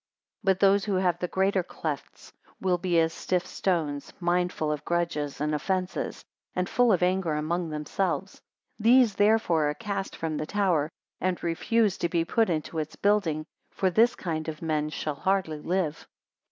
207 But those who have the greater clefts, will be as stiff stones, mindful of grudges and offences, and full of anger among themselves. These therefore are cast from the tower, and refused to be put into its building; for this kind of men shall hardly live.